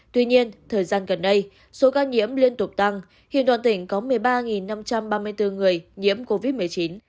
tuy nhiên thời gian gần đây số ca nhiễm liên tục tăng hiện toàn tỉnh có một mươi ba năm trăm ba mươi bốn người nhiễm covid một mươi chín